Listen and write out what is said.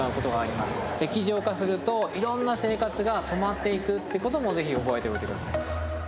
液状化するといろんな生活が止まっていくってことも是非覚えておいてください。